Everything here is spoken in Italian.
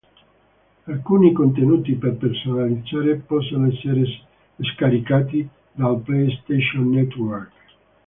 Alcuni contenuti per personalizzare possono essere scaricati dal PlayStation Network.